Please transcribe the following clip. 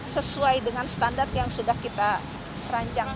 sesuai dengan standar yang sudah kita rancang